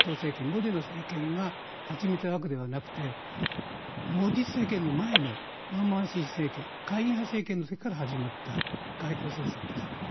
モディの政権が始めたわけではなくてモディ政権の前の政権懐疑派政権の時から始まった外交政権です。